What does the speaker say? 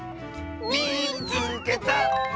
「みいつけた！」。